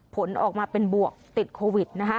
ผลออกมาเป็นบวกติดโควิด